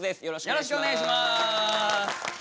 よろしくお願いします。